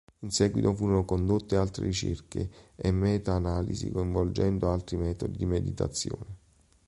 In seguito furono condotte altre ricerche e meta analisi coinvolgendo altri metodi di meditazione.